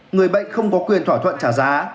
người bệnh không có quyền thỏa thuận trả giá